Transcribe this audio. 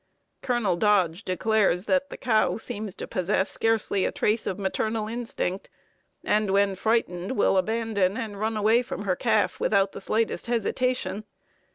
Colonel Dodge declares that "the cow seems to possess scarcely a trace of maternal instinct, and, when frightened, will abandon and run away from her calf without the slightest hesitation.